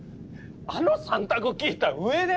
あの３択聞いたうえで？